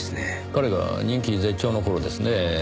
彼が人気絶頂の頃ですねぇ。